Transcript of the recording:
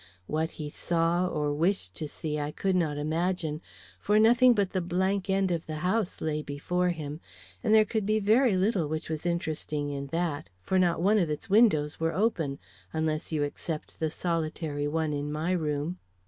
What he saw or wished to see I could not imagine, for nothing but the blank end of the house lay before him, and there could be very little which was interesting in that, for not one of its windows were open, unless you except the solitary one in my room.